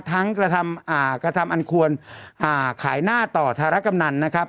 ทั้งกระทำอ่ากระทำอันควรอ่าขายหน้าต่อธารกรรมนันนะครับ